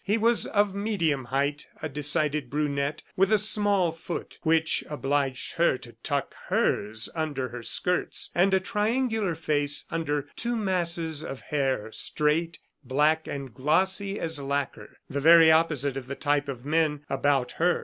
He was of medium height, a decided brunette, with a small foot, which obliged her to tuck hers under her skirts, and a triangular face under two masses of hair, straight, black and glossy as lacquer, the very opposite of the type of men about her.